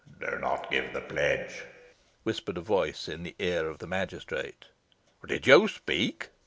"Do not give the pledge," whispered a voice in the ear of the magistrate. "Did you speak?"